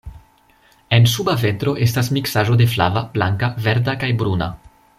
En suba ventro estas miksaĵo de flava, blanka, verda kaj bruna.